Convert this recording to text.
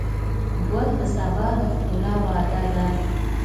ګل د سبا د ښکلا وعده ده.